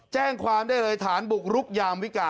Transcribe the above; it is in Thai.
แจ้งความได้เลยฐานบุกรุกยามวิการ